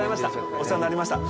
お世話になりました。